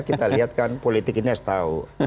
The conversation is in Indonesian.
kita lihat kan politik ini harus tahu